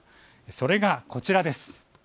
それがこちらです。